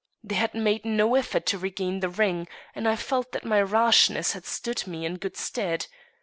They had made no effort to regain the ring, and I felt that my rashness had stood me in good stead.